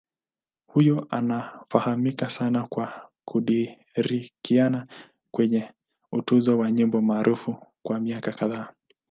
Huyu anafahamika sana kwa kushirikiana kwake kwenye utunzi wa nyimbo maarufu kwa miaka kadhaa.